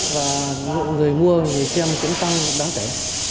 và lượng người mua thì xem cũng tăng đáng kể